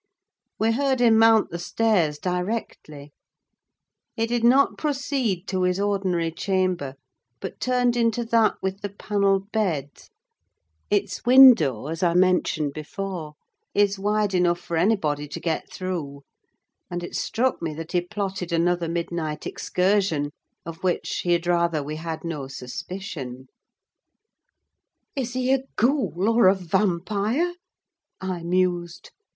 We heard him mount the stairs directly; he did not proceed to his ordinary chamber, but turned into that with the panelled bed: its window, as I mentioned before, is wide enough for anybody to get through; and it struck me that he plotted another midnight excursion, of which he had rather we had no suspicion. "Is he a ghoul or a vampire?" I mused.